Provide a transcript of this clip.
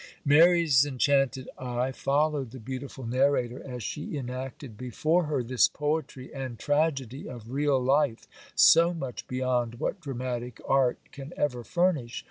Mary's enchanted eye followed the beautiful narrator, as she enacted before her this poetry and tragedy of real life, so much beyond what dramatic art can ever furnish.